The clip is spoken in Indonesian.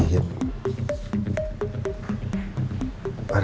contohnya perempuan ini